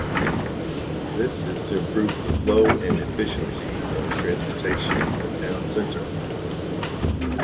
This is to improve the flow and efficiency of transportation in the town centre.